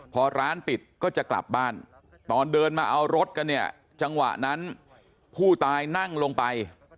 พอร้านปิดก็จะกลับบ้านตอนเดินมาเอารถกันเนี่ยจังหวะนั้นผู้ตายนั่งลงไป